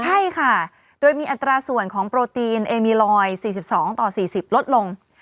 ใช่ค่ะโดยมีอัตราส่วนของโปรตีนเอมีลอย๔๒ต่อ๔๐ลดลง